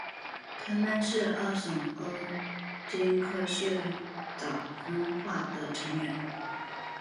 它们是艾什欧鲸科最早分化的成员。